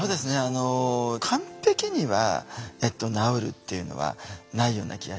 あの完璧には治るっていうのはないような気がして。